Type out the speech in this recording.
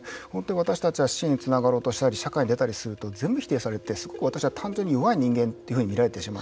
私たちは支援につながろうとしたり社会に出たりすると全部否定されてすごく私は単純に弱い人間というふうに見られてしまう。